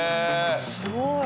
すごい。